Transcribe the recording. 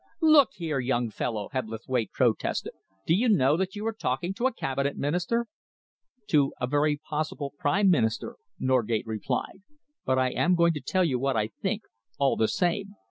"Look here, young fellow," Hebblethwaite protested, "do you know that you are talking to a Cabinet Minister?" "To a very possible Prime Minister," Norgate replied, "but I am going to tell you what I think, all the same.